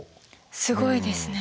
すごいですね。